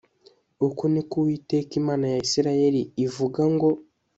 uku ni ko uwiteka imana ya isirayeli ivuga ngo